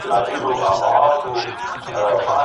له سهاره تر ماښامه یې خوړل کړل